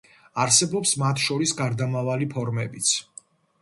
არსებობს მათ შორის გარდამავალი ფორმებიც.